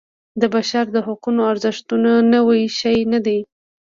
د بشر د حقونو ارزښتونه نوی شی نه دی.